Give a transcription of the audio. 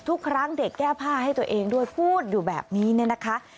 ทุกครั้งเด็กแก้ผ้าให้ตัวเองด้วยพูดอยู่แบบนี้เนี่ยนะคะ